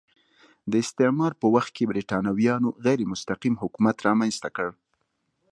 د استعمار په وخت کې برېټانویانو غیر مستقیم حکومت رامنځته کړ.